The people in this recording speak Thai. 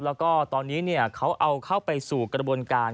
แล้วก็ตอนนี้เขาเอาเข้าไปสู่กระบวนการ